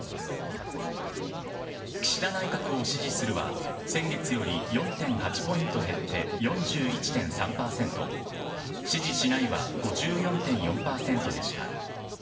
岸田内閣を支持するは先月より４．８ポイント減って４１．３％、支持しないは５４．４％でした。